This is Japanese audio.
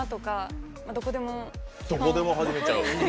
どこでも始めちゃう？